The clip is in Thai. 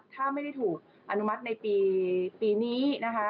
ถ้าไม่ได้ถูกอนุมัติในปีนี้นะคะ